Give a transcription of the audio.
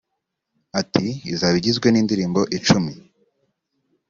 Ati “Izaba igizwe n’indirimbo icumi